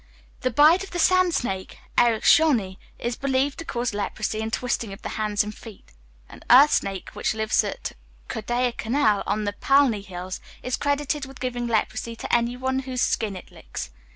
The bite of the sand snake (Eryx Johnii) is believed to cause leprosy and twisting of the hands and feet. An earth snake, which lives at Kodaikanal on the Palni hills, is credited with giving leprosy to any one whose skin it licks.